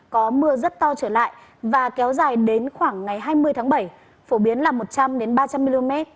có mưa rất to trở lại và kéo dài đến khoảng ngày hai mươi tháng bảy phổ biến là một trăm linh ba trăm linh mm